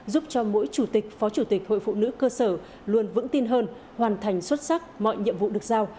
giúp cho mỗi chủ tịch phó chủ tịch hội phụ nữ cơ sở luôn vững tin hơn hoàn thành xuất sắc mọi nhiệm vụ được giao